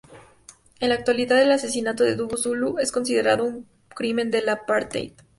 En la actualidad, el asesinato de Dudu Zulu es considerado un crimen del apartheid.